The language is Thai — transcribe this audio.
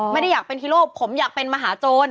ไม่ได้อยากเป็นฮีโร่ผมอยากเป็นมหาโจร